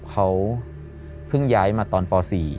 เขาเพิ่งย้ายมาตอนป๔